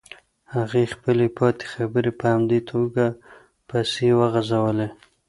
هغې خپلې پاتې خبرې په همدې توګه پسې وغزولې.